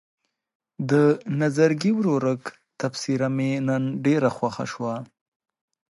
د نظرګي ورورک تبصره مې نن ډېره خوښه شوه.